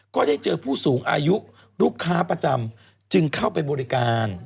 ก็ได้เจอผู้สูงอายุลูกค้าประจำจึงเข้าไปบริการ